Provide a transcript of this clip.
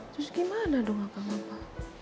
terus gimana dong kak ngaba